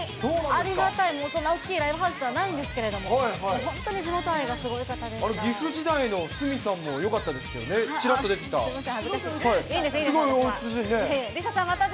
ありがたい、もうそんな大きいライブハウスじゃないんですけれども、本当に地あれ、岐阜時代の鷲見さんもよかったですけどね、ちらっと出てた。